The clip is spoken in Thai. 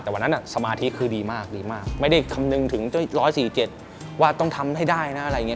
แต่วันนั้นสมาธิคือดีมากดีมากไม่ได้คำนึงถึง๑๔๗ว่าต้องทำให้ได้นะอะไรอย่างนี้